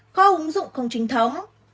có ứng dụng không chính thống